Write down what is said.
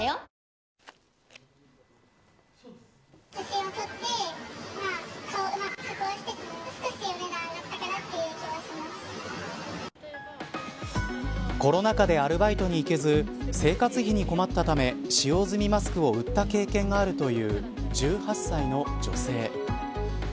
新登場コロナ禍でアルバイトに行けず生活費に困ったため使用済みマスクを売った経験があるという１８歳の女性。